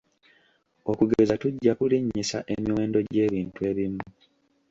Okugeza tujja kulinnyisa emiwendo gy'ebintu ebimu.